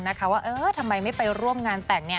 ว่าอ่าาาทำไมไม่ไปร่วมงานแต่งเนี่ย